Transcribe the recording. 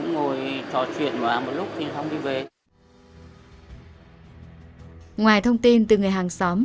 ngoài thông tin từ người hàng xóm sống sát bà hải bà hải đã trở thành một người đàn ông